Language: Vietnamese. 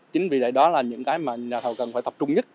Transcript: chính vì vậy đó là những cái mà nhà thầu cần phải tập trung nhất